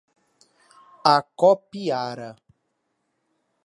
Acopiara